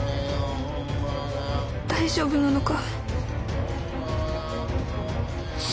大丈夫なのか師匠。